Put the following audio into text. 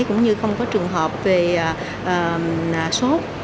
cũng như không có trường hợp về sốt